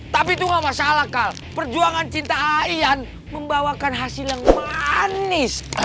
tapi itu ga masalah kal perjuangan cinta aian membawakan hasil yang manis